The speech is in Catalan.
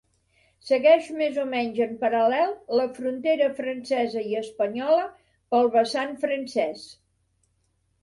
Segueix més o menys en paral·lel la frontera francesa i espanyola pel vessant francés.